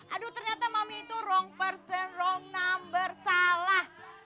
aduh ternyata mami itu wrong person wrong number salah